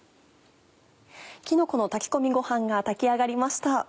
きのこの炊き込みごはんが炊き上がりました。